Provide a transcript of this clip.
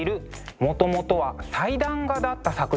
もともとは祭壇画だった作品です。